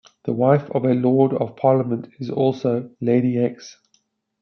The wife of a Lord of Parliament is also "Lady X".